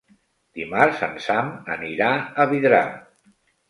Dimarts en Sam anirà a Vidrà.